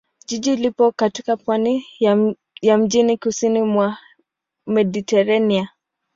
Jiji lipo katika pwani ya mjini kusini mwa Mediteranea.